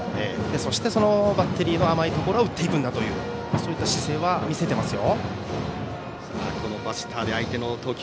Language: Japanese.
そしてバッテリーの甘いところは打っていくんだという姿勢は見せていますよ。